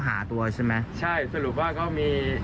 คุณธิชานุลภูริทัพธนกุลอายุ๓๔